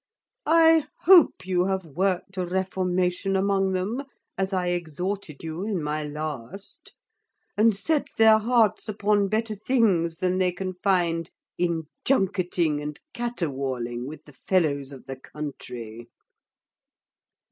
I hope you have worked a reformation among them, as I exhorted you in my last, and set their hearts upon better things than they can find in junkitting and caterwauling with the fellows of the country.